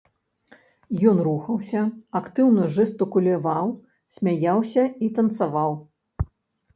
Ён рухаўся, актыўна жэстыкуляваў, смяяўся і танцаваў!